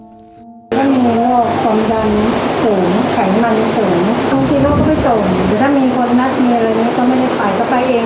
ถ้ามีโรคความดันสูงไขมันสูงบางทีโรคก็ไม่สูง